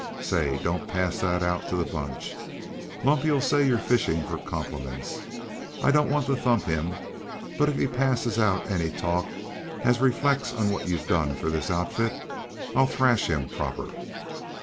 "Say, don't pass that out to the bunch. Lumpy'll say you're fishin' for compliments. I don't want to thump him, but, if he passes out any talk as reflects on what you've done for this outfit, I'll thrash him proper."